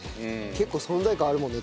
結構存在感あるもんね